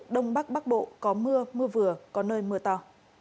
đông bắc bắc bộ có mưa mưa vừa có nơi mưa to